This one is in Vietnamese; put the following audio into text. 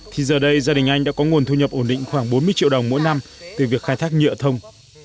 thì giờ đây gia đình anh đã có nguồn thu nhập ổn định khoảng bốn mươi triệu đồng mỗi năm từ việc khai thác nhựa thông